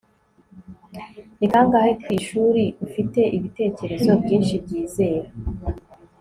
ni kangahe, ku ishuri, ufite ibitekerezo byinshi byizera